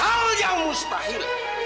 hal yang mustahil